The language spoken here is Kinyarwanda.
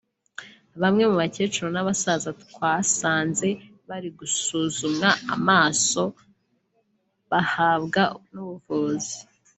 Bamwe mu bakecuru n’abasaza twasanze bari gusuzumwa amaso bahabwa n’ubuvuzi